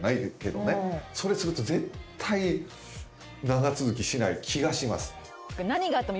それすると絶対長続きしない気がします。